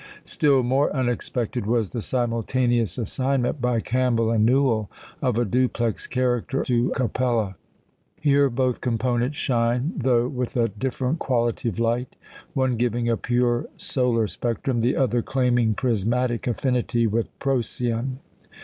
Still more unexpected was the simultaneous assignment, by Campbell and Newall, of a duplex character to Capella. Here both components shine, though with a different quality of light, one giving a pure solar spectrum, the other claiming prismatic affinity with Procyon.